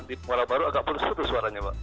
di warung baru agak putus putus suaranya pak